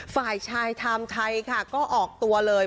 ฝ่ายชายไทม์ไทยค่ะก็ออกตัวเลย